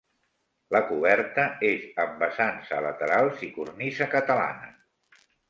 La coberta és amb vessants a laterals i cornisa catalana.